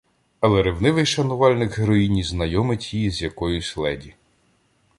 Але ревнивий шанувальник героїні знайомить її з якоюсь леді.